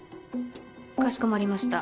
かしこまりました。